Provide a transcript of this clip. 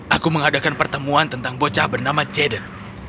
aku mengadakan pertemuan tentang bocah bernama jaden